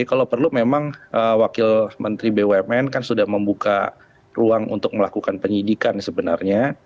kalau perlu memang wakil menteri bumn kan sudah membuka ruang untuk melakukan penyidikan sebenarnya